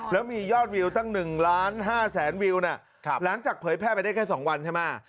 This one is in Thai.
แล้วมียอดวิวตั้งหนึ่งล้านห้าแสนวิวน่ะครับหลังจากเผยแพร่ไปได้แค่สองวันใช่ไหม